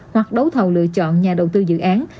hoặc đấu thầu lựa chọn nhà đầu tư dự án